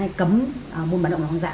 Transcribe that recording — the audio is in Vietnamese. hay cấm buôn bán động vật hoang dã